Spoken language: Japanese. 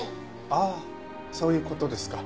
ああそういう事ですか。